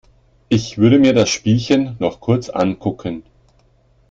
Ich würde mir das Spielchen noch kurz ankucken.